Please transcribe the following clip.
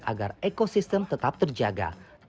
agar ekosistem tetap terjaga